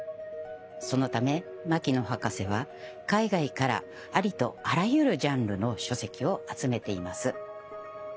そのため牧野博士は海外からありとあらゆるジャンルの書籍を集めています。